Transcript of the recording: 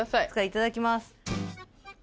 いただきます。